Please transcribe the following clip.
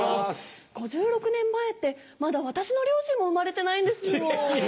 ５６年前ってまだ私の両親も生まれてないんですよ。